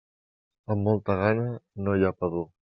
Amb molta gana no hi ha pa dur.